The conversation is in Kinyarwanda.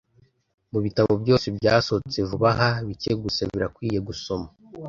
Mubitabo byose byasohotse vuba aha, bike gusa birakwiye gusoma.